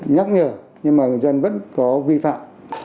nhắc nhở nhưng mà người dân vẫn có vi phạm